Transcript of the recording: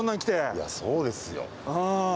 いやそうですよ。